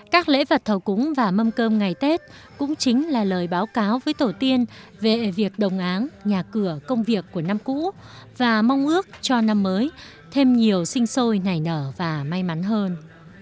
các lễ vật thờ cúng và mâm cơm ngày tết cũng chính là lời báo cáo với tổ tiên về việc đồng áng nhà cửa công việc của năm cũ và mong ước cho năm mới thêm nhiều sinh sôi nảy nở và may mắn hơn